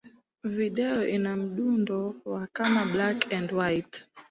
Video ina muundo wa kama black-and-white.